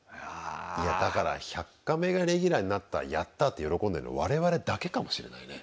いやだから「１００カメ」がレギュラーになったやった！って喜んでるの我々だけかもしれないね。